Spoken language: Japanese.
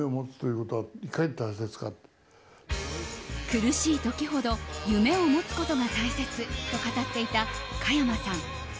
苦しい時ほど夢を持つことが大切と語っていた加山さん。